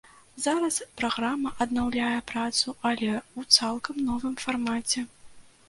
Зараз праграма аднаўляе працу, але ў цалкам новым фармаце.